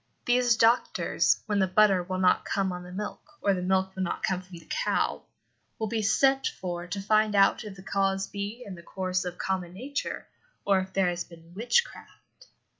These doctors, when the butter will not come on the milk, or the milk will not come from the cow, will be sent for to find out if the cause be in the course of common nature or if there has been witchcraft.